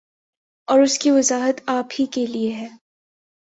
اور اس کی وضاحت آپ ہی کیلئے ہیں